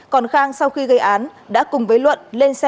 còn khang sau khi gây án đã cùng với luận lên xe